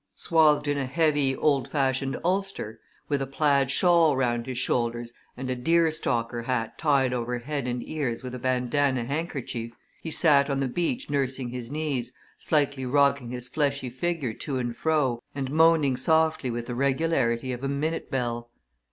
Swathed in a heavy, old fashioned ulster, with a plaid shawl round his shoulders and a deerstalker hat tied over head and ears with a bandanna handkerchief he sat on the beach nursing his knees, slightly rocking his fleshy figure to and fro and moaning softly with the regularity of a minute bell.